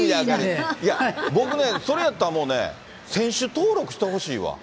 僕ね、それやったらもうね、選手登録してほしいわ。